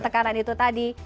tekanan itu tadi